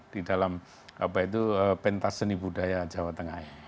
di dalam pentas seni budaya jawa tengah ini